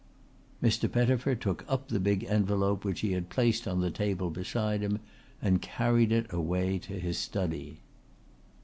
'" Mr. Pettifer took up the big envelope which he had placed on the table beside him and carried it away to his study.